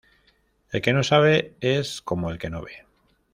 El que no sabe es como el que no ve